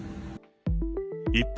一方、